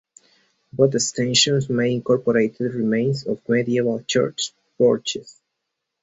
Both extensions may incorporated remains of medieval church porches.